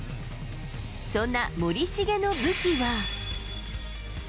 そんな森重の武器は。